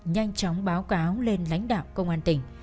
nhanh chóng báo cáo lên lãnh đạo công an tỉnh